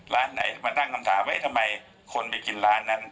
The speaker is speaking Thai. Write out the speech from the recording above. ร้านไหนมาตั้งคำถามว่าทำไมคนไปกินร้านนั้น